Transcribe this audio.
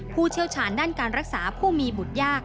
ผู้เชี่ยวชาญด้านการรักษาผู้มีบุตรยาก